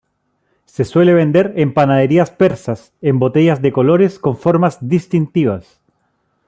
Se suele vender en panaderías persas en botellas de colores con formas distintivas.